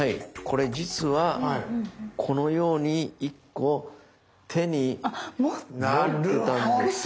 これ実はこのように１個手に持ってたんです。